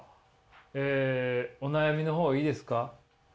えお悩みの方いいですか？